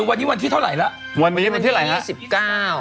เออวันนี้วันที่เท่าไรล่ะวันนี้วันที่ไหนล่ะวันนี้วันที่สิบเก้า